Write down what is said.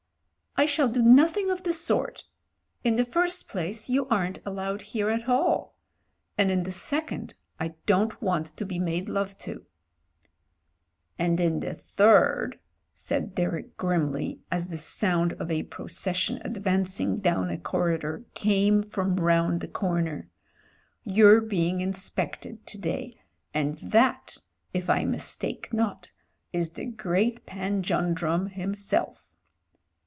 "I shall do nothing of the sort. In the first place you aren't allowed here at all; and in the second I don't want to be made love to." "And in the third," said Derek grimly, as the sound of a procession advancing down a corridor came from round the corner, "you're being inspected to day, and that — if I mistake not — is the great pan jan drum himself."